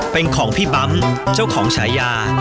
เป็นของพี่ปั๊มเจ้าของฉายา